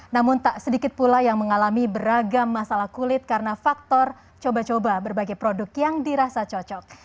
namun tak sedikit pula yang mengalami beragam masalah kulit karena faktor coba coba berbagai produk yang dirasa cocok